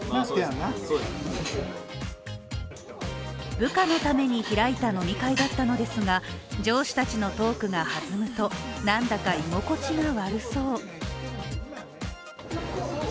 部下のために開いた飲み会だったのですが上司たちのトークが弾むとなんだか居心地が悪そう。